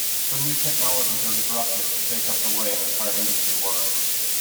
Some new technologies are disruptive and shake up the way an entire industry works.